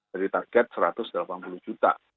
jadi target satu ratus delapan puluh juta